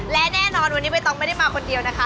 และแน่นอนวันนี้ใบตองไม่ได้มาคนเดียวนะคะ